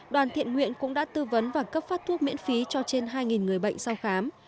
đoàn thiện nguyện cũng đã tư vấn và cấp phát thuốc miễn phí cho trên hai người bệnh sau khám